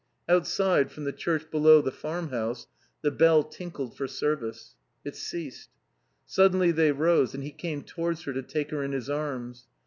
Outside, from the church below the farm house, the bell tinkled for service. It ceased. Suddenly they rose and he came towards her to take her in his arms.